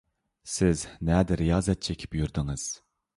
سىز نەدە رىيازەت چېكىپ يۈردىڭىز؟